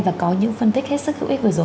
và có những phân tích hết sức hữu ích vừa rồi